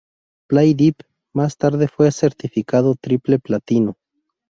Play Deep más tarde fue certificado triple platino.